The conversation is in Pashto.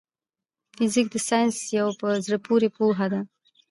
فزيک د ساينس يو په زړه پوري پوهه ده.